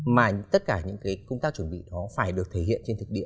mà tất cả những cái công tác chuẩn bị đó phải được thể hiện trên thực địa